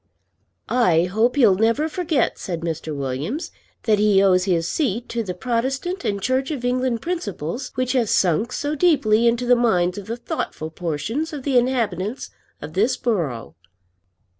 "I hope he'll never forget," said Mr. Williams, "that he owes his seat to the Protestant and Church of England principles which have sunk so deeply into the minds of the thoughtful portion of the inhabitants of this borough."